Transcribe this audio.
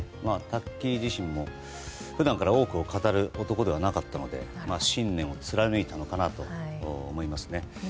タッキー自身も普段から多くを語る男ではなかったので信念を貫いたのかなと思いますね。